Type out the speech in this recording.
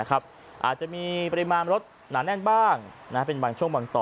อาจจะมีปริมาณรถหนาแน่นบ้างเป็นบางช่วงบางตอน